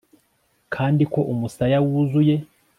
Kandi ko umusaya wuzuye